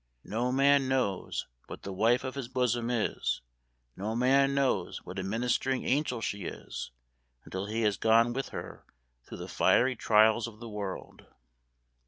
No man knows what the wife of his bosom is no man knows what a ministering angel she is until he has gone with her through the fiery trials of this world."